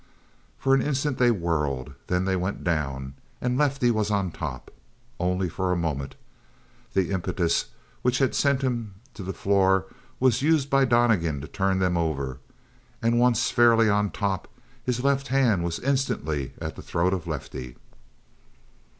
For an instant they whirled; then they went down, and Lefty was on top. Only for a moment. The impetus which had sent him to the floor was used by Donnegan to turn them over, and once fairly on top his left hand was instantly at the throat of Lefty.